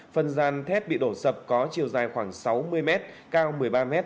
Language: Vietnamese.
phần gian thép bị đổ sập có chiều dài khoảng sáu mươi m cao một mươi ba m